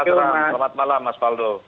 selamat malam mas faldo